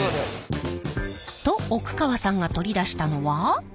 と奥川さんが取り出したのは。